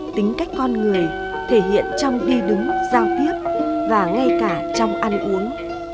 tính cách con người thể hiện trong đi đứng giao tiếp và ngay cả trong ăn uống